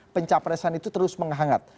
pencapresan itu terus menghangat